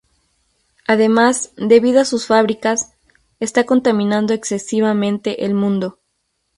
Además, debido a sus fábricas, está contaminando excesivamente el mundo.